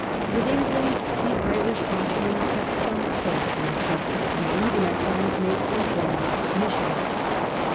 With England the Irish Ostmen kept some slight connection, and they even at times made some form of submission.